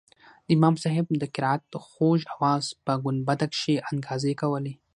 د امام صاحب د قرائت خوږ اواز په ګنبده کښې انګازې کولې.